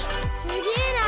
すげえな！